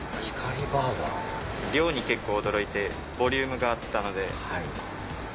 量に結構驚いてボリュームがあったので。